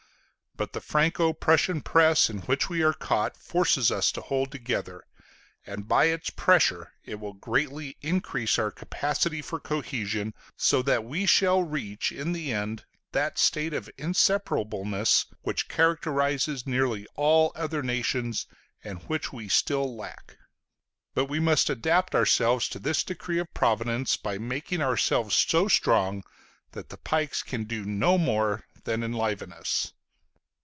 But the Franco Russian press in which we are caught forces us to hold together, and by its pressure it will greatly increase our capacity for cohesion, so that we shall reach in the end that state of inseparableness which characterizes nearly all other nations, and which we still lack. But we must adapt ourselves to this decree of Providence by making ourselves so strong that the pikes can do no more than enliven us....